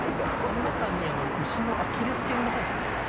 その中に牛のアキレス腱が入ってて。